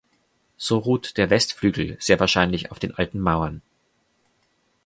So ruht der Westflügel sehr wahrscheinlich auf den alten Mauern.